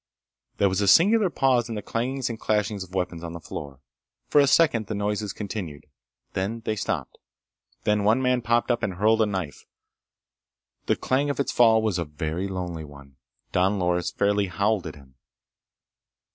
There was a singular pause in the clangings and clashings of weapons on the floor. For a second the noises continued. Then they stopped. Then one man popped up and hurled a knife. The clang of its fall was a very lonely one. Don Loris fairly howled at him.